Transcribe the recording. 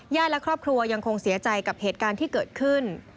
และครอบครัวยังคงเสียใจกับเหตุการณ์ที่เกิดขึ้น